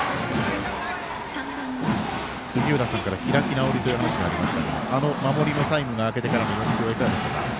杉浦さんから開き直りという話がありましたが守りのタイムが明けてからの４球はいかがでしたか？